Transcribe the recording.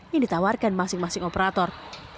yang ditawarkan masing masing operator